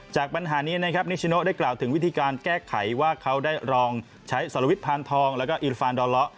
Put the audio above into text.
จากปัญหานี้นะครับนิชโนได้กล่าวถึงวิธีการแก้ไขว่าเขาได้รองใช้สรวิทย์พานทองแล้วก็อิราฟานดอเลาะ